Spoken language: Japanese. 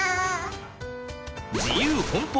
自由奔放！